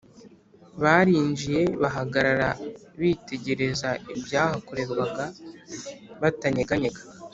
barinjiye, bahagarara bitegereza ibyahakorerwaga batanyeganyega